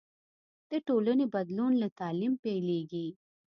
د ټولنې بدلون له تعلیم پیلېږي.